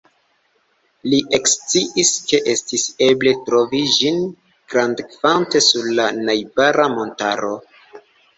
Li eksciis ke estis eble trovi ĝin grandkvante sur la najbara montaro.